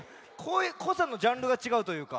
こさのジャンルがちがうというか。